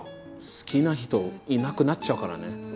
好きな人いなくなっちゃうからね。